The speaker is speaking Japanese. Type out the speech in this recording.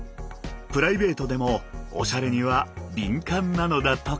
プライベートでもおしゃれには敏感なのだとか。